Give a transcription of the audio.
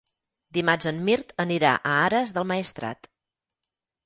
Dimarts en Mirt anirà a Ares del Maestrat.